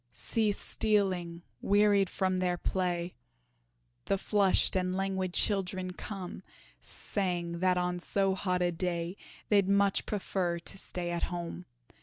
See stealing, wearied from their play, The flushed and languid children come, Saying that on so hot a day They'd much prefer to stay at home.